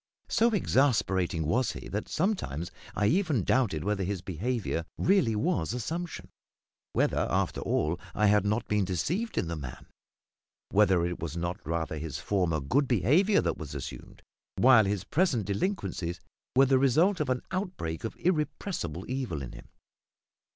So exasperating was he that sometimes I even doubted whether his behaviour really was assumption whether, after all, I had not been deceived in the man; whether it was not rather his former good behaviour that was assumed, while his present delinquencies were the result of an outbreak of irrepressible evil in him.